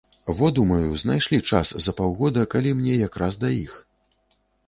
Во, думаю, знайшлі час за паўгода, калі мне як раз да іх.